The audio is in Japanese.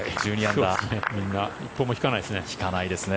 みんな一歩も引かないですね。